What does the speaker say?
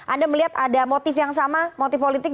anda melihat ada motif yang sama motif politik